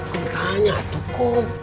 kum tanya tuh kum